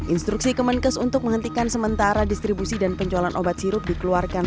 instruksi kemenkes untuk menghentikan sementara distribusi dan penjualan obat sirup dikeluarkan